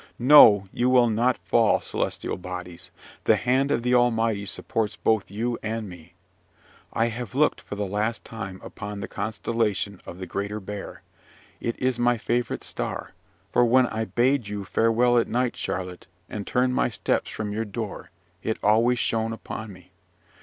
No, you will not fall, celestial bodies: the hand of the Almighty supports both you and me! I have looked for the last time upon the constellation of the Greater Bear: it is my favourite star; for when I bade you farewell at night, Charlotte, and turned my steps from your door, it always shone upon me.